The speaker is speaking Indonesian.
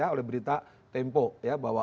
oleh berita tempo ya bahwa